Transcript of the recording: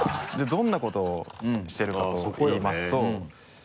どんなことしてるかと言いますとそこよね。